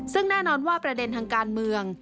ซึ่งแน่นอนว่าประเด็นทางการเมือง